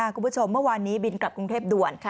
คุณผู้ชมเมื่อวานนี้บินกลับกรุงเทพด่วน